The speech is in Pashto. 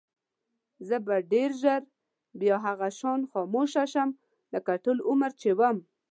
زه به ډېر ژر بیا هغه شان خاموشه شم لکه ټول عمر چې وم.